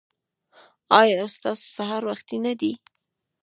ایا ستاسو سهار وختي نه دی؟